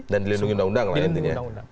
dan dilindungi undang undang lah intinya